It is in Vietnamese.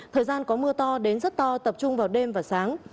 thời gian có mưa to đến rất to tập trung vào đêm và sáng